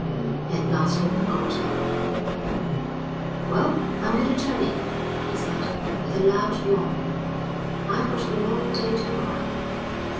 At last Walker got up. "Well, I'm going to turn in," he said with a loud yawn. "I've got a long day to morrow."